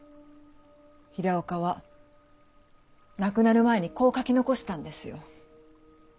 平岡は亡くなる前にこう書き残したんですよ。